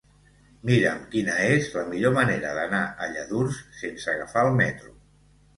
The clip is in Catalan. Mira'm quina és la millor manera d'anar a Lladurs sense agafar el metro.